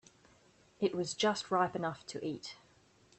It was just ripe enough to eat.